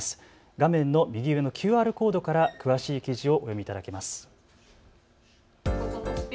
画面の右上のＱＲコードから詳しい記事をお読みいただけます。